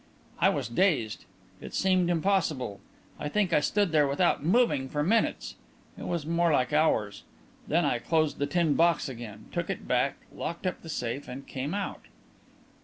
I was dazed; it seemed impossible. I think I stood there without moving for minutes it was more like hours. Then I closed the tin box again, took it back, locked up the safe and came out."